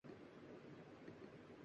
نعل آتش میں ہے تیغ یار سے نخچیر کا